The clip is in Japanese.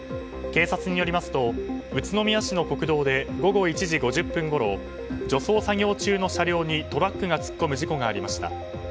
警察によりますと宇都宮市の国道で午後１時５０分ごろ除草作業中の車両にトラックが突っ込む事故がありました。